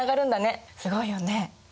すごいよね。